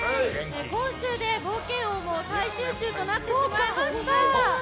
今週で冒険王も最終週となってしまいました。